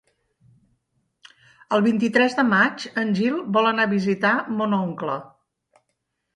El vint-i-tres de maig en Gil vol anar a visitar mon oncle.